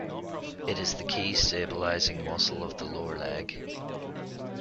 It is the key stabilizing muscle of the lower leg.